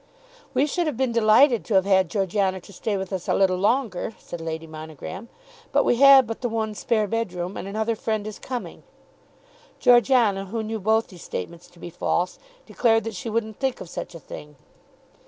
"We should have been delighted to have had Georgiana to stay with us a little longer," said Lady Monogram; "but we have but the one spare bedroom, and another friend is coming." Georgiana, who knew both these statements to be false, declared that she wouldn't think of such a thing.